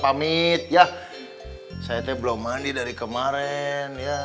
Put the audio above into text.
kayanya gak bagus yang kayak ucok dah dateng kember gaya dia